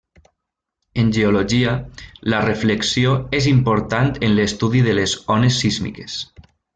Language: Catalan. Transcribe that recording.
En geologia, la reflexió és important en l'estudi de les ones sísmiques.